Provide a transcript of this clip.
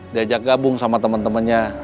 diajak gabung sama temen temennya